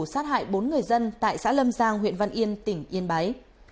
sát hại bốn người dân tại xã lâm giang huyện văn yên tỉnh yên bái